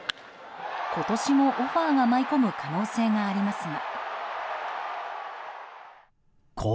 今年もオファーが舞い込む可能性がありますが。